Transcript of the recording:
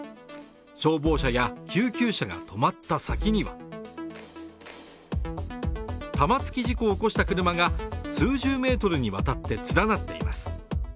消防車や救急車が止まった先には玉突き事故を起こした車が数十メートルにわたって連なっています。